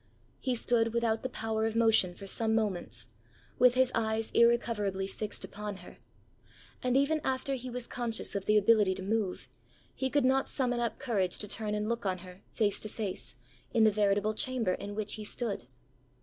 He stood without the power of motion for some moments, with his eyes irrecoverably fixed upon her; and even after he was conscious of the ability to move, he could not summon up courage to turn and look on her, face to face, in the veritable chamber in which he stood.